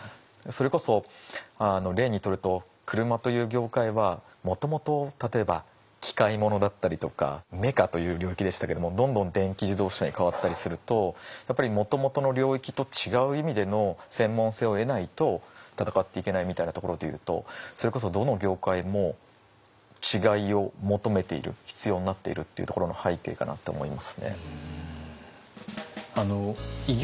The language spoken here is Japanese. それこそ例にとると車という業界はもともと例えば機械物だったりとかメカという領域でしたけどもどんどん電気自動車に変わったりするとやっぱりもともとの領域と違う意味での専門性を得ないと戦っていけないみたいなところでいうとそれこそどの業界も違いを求めている必要になっているというところの背景かなって思いますね。